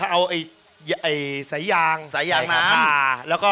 เอาสายยางน้ำ